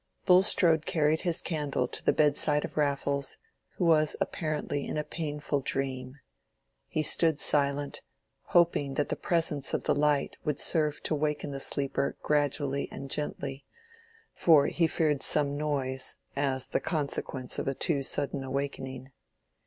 Bulstrode carried his candle to the bedside of Raffles, who was apparently in a painful dream. He stood silent, hoping that the presence of the light would serve to waken the sleeper gradually and gently, for he feared some noise as the consequence of a too sudden awakening.